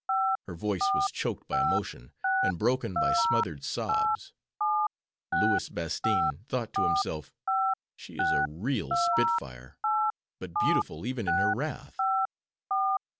Her voice was choked by emotion, and broken by smothered sobs. Louis Bastine thought to himself, "she is a real spitfire, but beautiful even in her wrath."